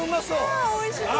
わあおいしそう。